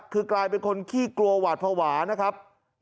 คือกลายเป็นคนขี้กลัวหวาดภาวะนะครับ